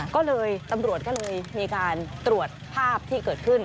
ก็เลยตำรวจก็เลยมีการตรวจภาพที่เกิดขึ้น